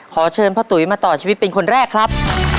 ขอเชิญพ่อตุ๋ยมาต่อชีวิตเป็นคนแรกครับ